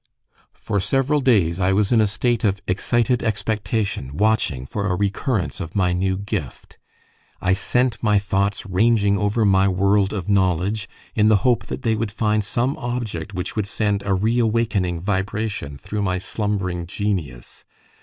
For several days I was in a state of excited expectation, watching for a recurrence of my new gift. I sent my thoughts ranging over my world of knowledge, in the hope that they would find some object which would send a reawakening vibration through my slumbering genius.